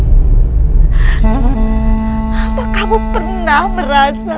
apa kamu pernah merasa